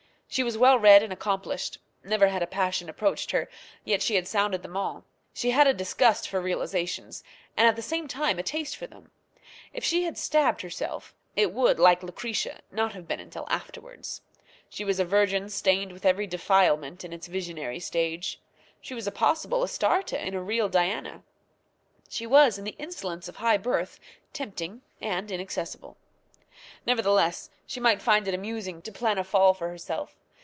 She was well read and accomplished. Never had a passion approached her, yet she had sounded them all. She had a disgust for realizations, and at the same time a taste for them. If she had stabbed herself, it would, like Lucretia, not have been until afterwards. She was a virgin stained with every defilement in its visionary stage. She was a possible Astarte in a real Diana. She was, in the insolence of high birth, tempting and inaccessible. Nevertheless, she might find it amusing to plan a fall for herself.